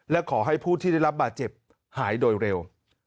และขอให้ผู้ที่ได้รับบาดเจ็บหายโดยเร็ว